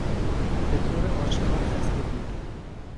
به طور آشکار خسته بود.